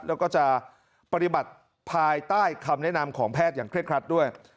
แล้วก็จะปฏิบัติภายใต้คำแนะนำของแพทย์อย่างเคร่งครัดด้วย